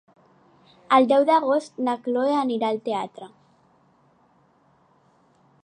El deu d'agost na Cloè anirà al teatre.